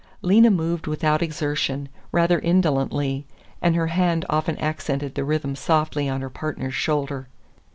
Lena moved without exertion, rather indolently, and her hand often accented the rhythm softly on her partner's shoulder.